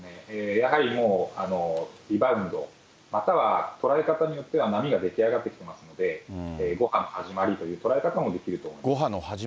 やはりもうリバウンド、または捉え方によっては、波が出来上がってきてますんで、５波の始まりという捉え方もできると思います。